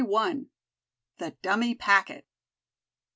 THE DUMMY PACKET.